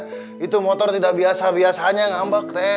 maaf ya itu motor tidak biasa biasanya ngambak teh